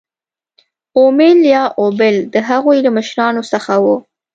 اومیل یا اوبل د هغوی له مشرانو څخه وو.